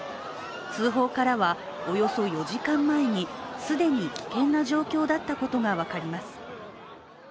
通報からは、およそ４時間前に既に危険な状況だったことが分かります。